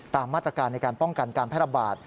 ตามมาตรการในการป้องกันการแพร่ระบาด